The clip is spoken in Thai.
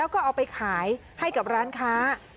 แล้วก็เอาไปขายให้กับร้านค้า